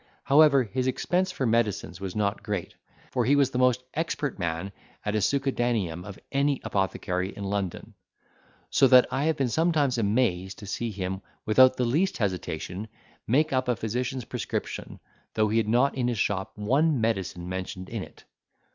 However, his expense for medicines was not great; for he was the most expert man at a succedaneum of any apothecary in London, so that I have been sometimes amazed to see him, without the least hesitation, make up a physician's prescription, though he had not in his shop one medicine mentioned in it.